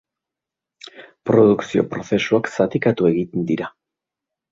produkzio-prozesuak zatikatu egin dira